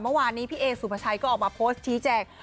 เมื่อวานนี้พี่เอสุภาชัยก็ออกมาโพสต์ชี้แจง